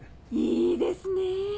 いいですねぇ！